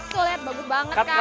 tuh lihat bagus banget kan